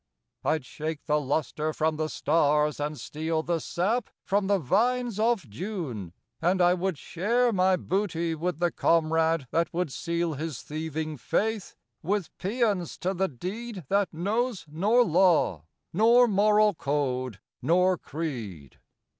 I'd shake the lustre from the stars and steal The sap from the vines of June, and I would share My booty with the comrade that would seal His thieving faith with paeons to the deed That knows nor law, nor moral code, nor creed.